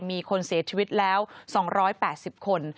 มีคนเสียชีวิตแล้ว๒๘๐คน